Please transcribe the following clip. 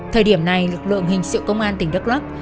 thời điểm này lực lượng hình sự công an tỉnh đắk lắc